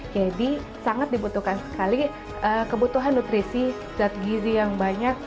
jadi sangat dibutuhkan sekali kebutuhan nutrisi zat gizi yang banyak